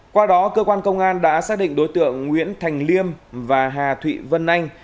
qua đó cơ quan công an đã xác định đối tượng nguyễn thành liêm và hà thụy vân anh